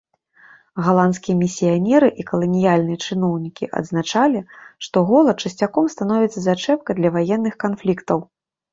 Галандскія місіянеры і каланіяльныя чыноўнікі адзначалі, што голад часцяком становіцца зачэпкай для ваенных канфліктаў.